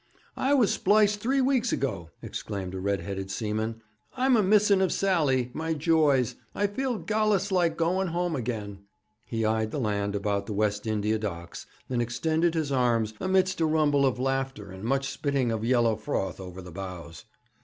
'I was spliced three weeks ago,' exclaimed a red headed seaman. 'I'm a missing of Sally, my joys. I feel gallus like going home again.' He eyed the land about the West India Docks, and extended his arms, amidst a rumble of laughter and much spitting of yellow froth over the bows.